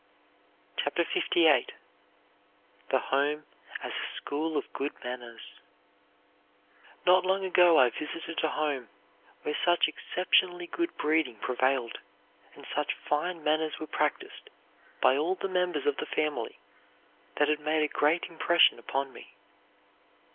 CHAPTER LVIII THE HOME AS A SCHOOL OF GOOD MANNERS Not long ago I visited a home where such exceptionally good breeding prevailed and such fine manners were practised by all the members of the family, that it made a great impression upon me.